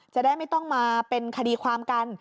จะได้ไม่ต้องมาเป็นคดีความกัน